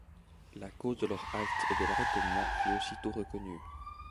La cause de leur halte et de leur étonnement fut aussitôt reconnue.